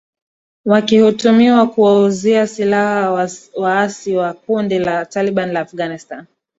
wakituhumiwa kuwauzia silaha waasi wa kundi la taliban la afghanistan